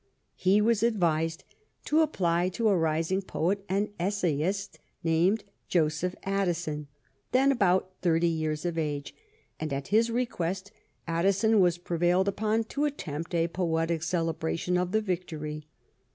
He was advised to apply to a rising poet and essayist named Joseph Addison, then about thirty years of age, and at his request Addison was prevailed upon to attempt a poetic celebration of the victory.